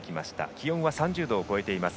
気温は３０度を超えています。